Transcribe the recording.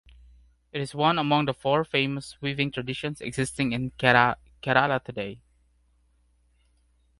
It is one among the four famous weaving traditions existing in Kerala today.